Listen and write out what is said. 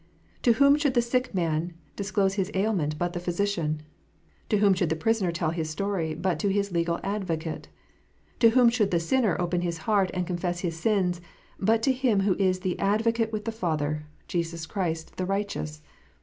To whom should the sick man disclose his ailment, but the physician 1 To whom should the prisoner tell his story, but to his legal advocate ? To whom should the sinner open his heart and confess his sins, but to Him who is the " Advocate with the Father, Jesus Christ the righteous"?